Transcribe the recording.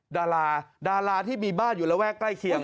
ดาราดาราที่มีบ้านอยู่ระแวกใกล้เคียง